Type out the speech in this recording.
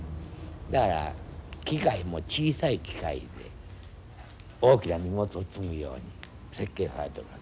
だから機械も小さい機械で大きな荷物を積むように設計されてますね。